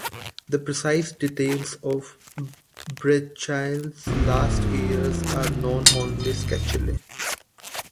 The precise details of Breitscheid's last years are known only sketchily.